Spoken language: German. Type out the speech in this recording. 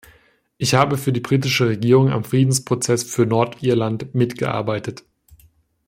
Ich habe für die britische Regierung am Friedensprozess für Nordirland mitgearbeitet.